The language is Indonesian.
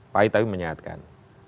pahit tapi menyehatkan